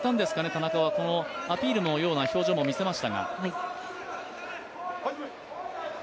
田中はアピールのような表情も見せましたが。